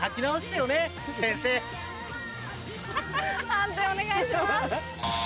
判定お願いします。